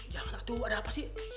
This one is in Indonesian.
jangan aduh ada apa sih